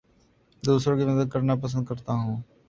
دوسروں کی مدد کرنا پسند کرتا ہوں